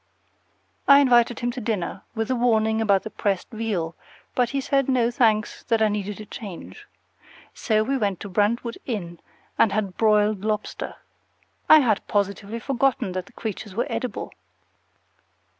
I invited him to dinner, with a warning about the pressed veal; but he said no, thanks, that I needed a change. So we went to Brantwood Inn and had broiled lobster. I had positively forgotten that the creatures were edible.